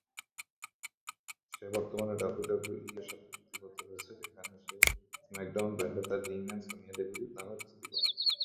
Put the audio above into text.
সে বর্তমানে ডাব্লিউডাব্লিউই এর সাথে চুক্তিবদ্ধ রয়েছে যেখানে সে স্ম্যাকডাউন ব্র্যান্ডে তার রিং নেম সোনিয়া ডেভিল নামে কুস্তি করছে।